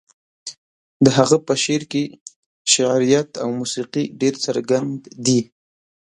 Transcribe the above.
د هغه په شعر کې شعريت او موسيقي ډېر څرګند دي.